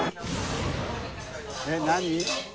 えっ何？